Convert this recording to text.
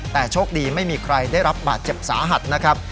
แต่โชคดีไม่มีใครได้รับบาดเจ็บสาหัสนะครับ